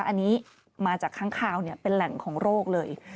อันนี้มาจากค้างคาวเป็นแหล่งของโรคเลย